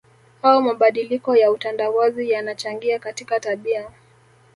au mabadiliko ya utandawazi yanachangia katika tabia